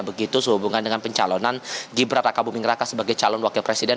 begitu sehubungan dengan pencalonan gibran raka buming raka sebagai calon wakil presiden